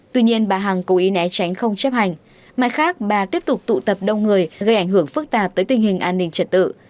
tuy nhiên bà hằng cố ý né tránh không chấp hành mặt khác bà tiếp tục tụ tập đông người gây ảnh hưởng phức tạp tới tình hình an ninh trật tự